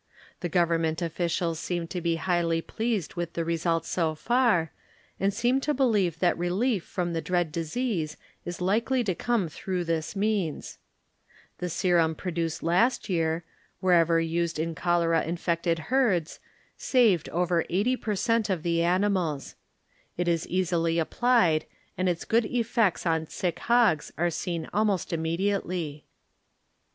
The Government officials seem to be highly pleased with the results so far and seem to believe that relief from the dread disease is likely to come through this means. The produced last year, wherever over eighty per cent, of the animals, is easily applied, and its good effects i sick hogs are seen almost immediately.